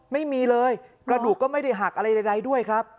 ไม่มีเลยกระดูกก็ไม่ได้หักอะไรใดด้วยครับ